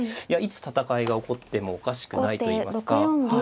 いつ戦いが起こってもおかしくないといいますか。